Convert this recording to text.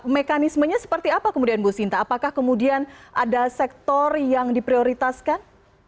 mekanismenya seperti apa kemudian bu sinta apakah kemudian ada sektor yang diprioritaskan